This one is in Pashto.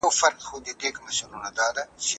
ګوندي تحلیلونه باید د حقیقت تابع وي.